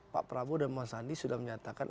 pak prabowo dan bang sandi sudah menyatakan